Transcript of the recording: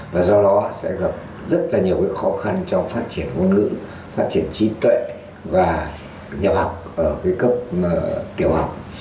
và do đó sẽ gặp rất là nhiều khó khăn cho phát triển ngôn ngữ phát triển trí tuệ và nhập học ở cấp tiểu học